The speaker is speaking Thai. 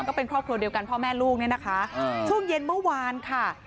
ช่องเย็นเมื้อวานค่ะ